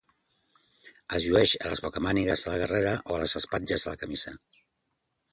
Es llueix a les bocamànigues de la guerrera o a les espatlles de la camisa.